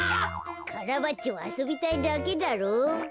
カラバッチョはあそびたいだけだろう。